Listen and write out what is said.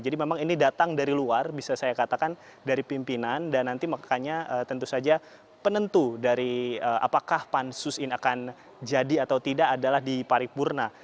jadi memang ini datang dari luar bisa saya katakan dari pimpinan dan nanti makanya tentu saja penentu dari apakah pansus ini akan jadi atau tidak adalah di pimpinan